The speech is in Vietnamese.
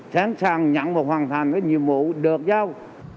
sẵn sàng nhận và hoàn thành cái nhiệm vụ được giao